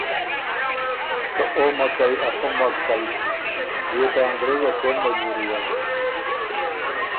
که او مک کئ افۀ مک کئ۔ بيې يې ته انګرېز ا څېن مجبُوري هۀ